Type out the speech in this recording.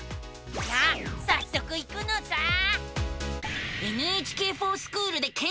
さあさっそく行くのさあ。